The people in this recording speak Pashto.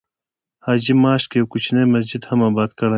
حاجي ماشک یو کوچنی مسجد هم آباد کړی.